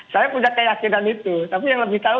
saya punya keyakinan itu tapi yang lebih tahu